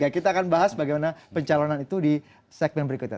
kita akan bahas bagaimana pencalonan itu di segmen berikutnya